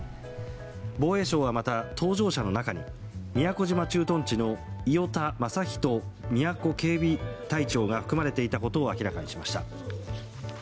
防衛省はまた、搭乗者の中に宮古島駐屯地の伊與田雅一宮古警備隊長が含まれていたことを明らかにしました。